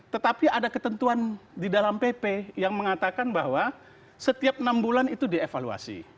tetapi ada ketentuan di dalam pp yang mengatakan bahwa setiap enam bulan itu dievaluasi